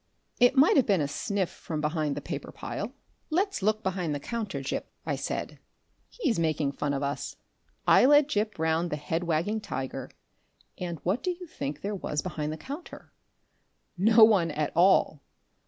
It might have been a sniff from behind the paper pile.... "Let's look behind the counter, Gip," I said. "He's making fun of us." I led Gip round the head wagging tiger, and what do you think there was behind the counter? No one at all!